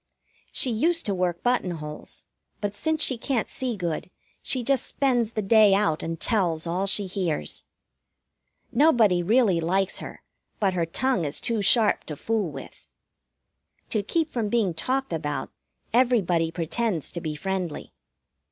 She used to work buttonholes, but since she can't see good she just spends the day out and tells all she hears. Nobody really likes her, but her tongue is too sharp to fool with. To keep from being talked about, everybody pretends to be friendly.